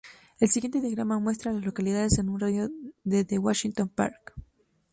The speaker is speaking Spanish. El siguiente diagrama muestra a las localidades en un radio de de Washington Park.